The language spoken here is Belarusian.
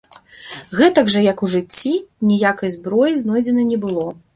Гэтак жа як і ў жыцці, ніякай зброі знойдзена не было.